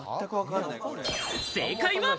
正解は。